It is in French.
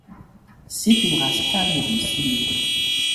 C'est une race calme et docile.